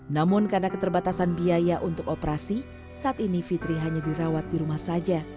namun karena keterbatasan biaya untuk operasi saat ini fitri hanya dirawat di rumah saja